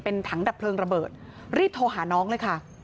ถังดับเพลิงระเบิดรีบโทรหาน้องเลยค่ะ